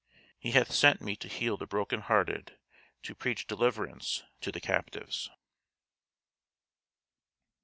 "He hath sent me to heal the broken hearted, To preach deliverance to the captives."